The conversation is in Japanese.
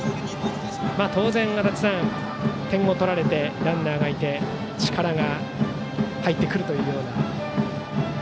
当然、足達さん点を取られてランナーがいて力が入ってくるというような。